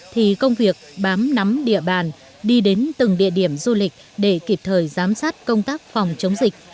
thì công việc bám nắm địa bàn đi đến từng địa điểm du lịch để kịp thời giám sát công tác phòng chống dịch